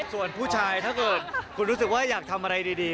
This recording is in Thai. ส่วนผู้ชายถ้าเกิดคุณรู้สึกว่าอยากทำอะไรดี